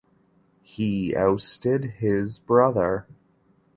He ousted his brother.